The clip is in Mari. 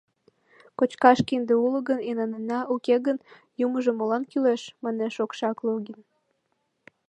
— Кочкаш кинде уло гын, инанена, уке гын, юмыжо молан кӱлеш? — манеш Окшак Логин.